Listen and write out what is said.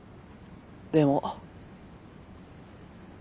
でも。